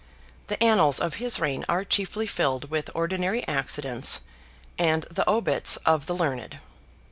The annals of his reign are chiefly filled with ordinary accidents, and the obits of the learned.